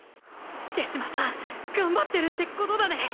手嶋さん頑張ってるってことだね！！